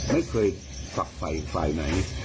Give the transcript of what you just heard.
ไม่เคยฝักไฟไฟไหน